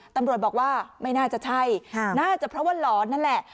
ตำรวจบอกว่าไม่น่าจะใช่น่าจะเพราะว่าหลอนนั่นแหละ